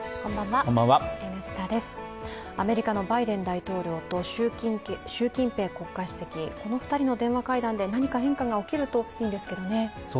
アメリカのバイデン大統領と習近平国家主席この２人の電話会談で何か変化が起きるといいんですけどね。